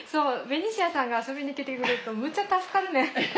ベニシアさんが遊びに来てくれるとむちゃ助かるねん。